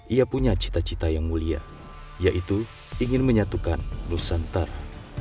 ia punya cita cita yang mulia yaitu ingin menyatukan nusantara